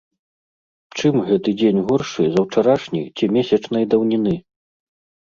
Чым гэты дзень горшы за ўчарашні ці месячнай даўніны?